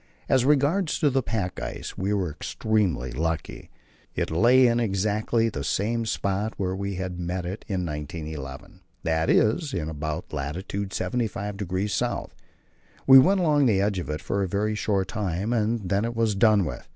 As regards the pack ice we were extremely lucky. It lay in exactly the same spot where we had met with it in 1911 that is, in about lat. 75° S. We went along the edge of it for a very short time, and then it was done with.